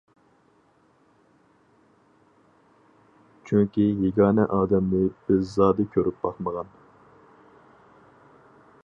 چۈنكى يېگانە ئادەمنى بىز زادى كۆرۈپ باقمىغان.